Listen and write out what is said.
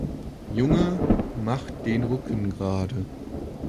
Junge, mach den Rücken gerade!